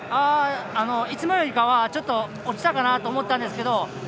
いつもよりかは落ちたかなと思ったんですけど。